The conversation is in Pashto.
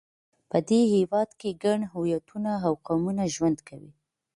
په دې هېواد کې ګڼ هویتونه او قومونه ژوند کوي.